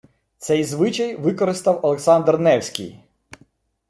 Цей звичай використав Олександр Невський